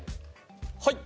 はい。